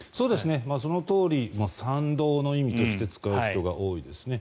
そのとおり賛同の意味として使う人が多いですね。